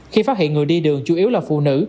khi phát hiện người đi đường chủ yếu là phụ nữ